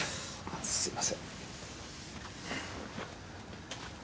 すいません。